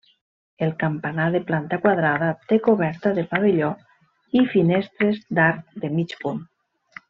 El campanar, de planta quadrada, té coberta de pavelló i finestres d'arc de mig punt.